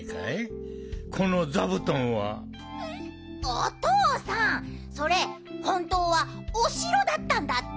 おとうさんそれほんとはおしろだったんだって。